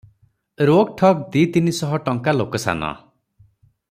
ରୋକ୍ ଠୋକ୍ ଦି ତିନି ଶହ ଟଙ୍କା ଲୋକସାନ!